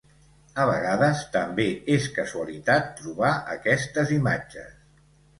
A vegades també és casualitat trobar aquestes imatges.